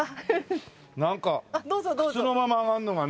なんか靴のまま上がるのがね。